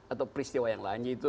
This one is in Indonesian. atau peristiwa yang lain itu